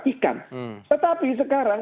ikan tetapi sekarang